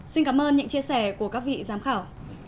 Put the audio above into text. xin cảm ơn những chia sẻ của các vị giám khảo